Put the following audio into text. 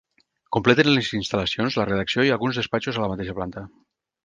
Completen les instal·lacions la redacció i alguns despatxos a la mateixa planta.